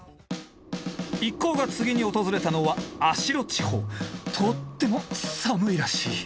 一行が次に訪れたのはとっても寒いらしい。